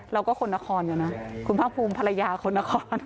คนนครอยู่นะคุณภาคภูมิภรรยาคนนคร